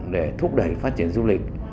để thúc đẩy phát triển du lịch